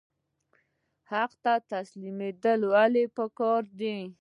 حق ته تسلیمیدل ولې پکار دي؟